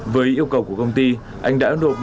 với yêu cầu của công ty anh đã nộp